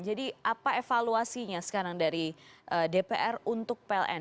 jadi apa evaluasinya sekarang dari dpr untuk pln